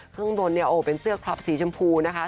เครื่องบนโอเป็นเสื้อคลอปสีชมพูนะคะ